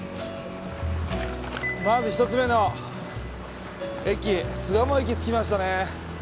まず１つ目の駅巣鴨駅着きましたね。